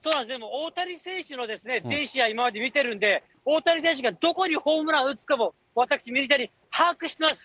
大谷選手の全試合、今まで見てるんで、大谷選手がどこにホームラン打つかも、私、ミニタニ、把握してます。